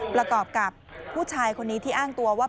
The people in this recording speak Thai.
ประกอบกับผู้ชายคนนี้ที่อ้างตัวว่า